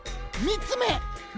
みっつめ！